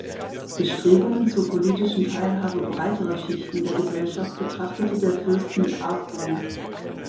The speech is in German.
Bestrebungen zur politischen Teilhabe breiterer Schichten der Gesellschaft betrachtete der Fürst mit Argwohn.